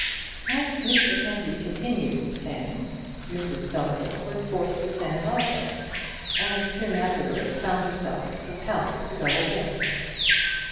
As Miss Mackenzie continued to stand, Mrs Stumfold was forced to stand also, and soon afterwards found herself compelled to go away.